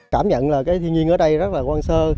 cảm nhận là cái thiên nhiên ở đây rất là quan sơ